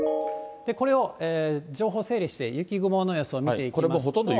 これを情報整理して、雪雲の予想を見ていきますと。